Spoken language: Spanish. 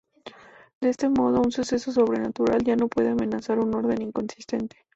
De este modo, un suceso sobrenatural ya no puede amenazar un orden inconsistente.